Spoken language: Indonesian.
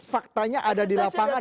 faktanya ada di lapangan